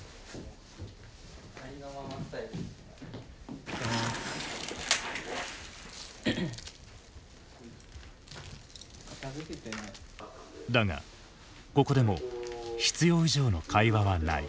だがここでも必要以上の会話はない。